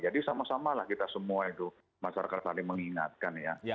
jadi sama sama lah kita semua itu masyarakat saling mengingatkan ya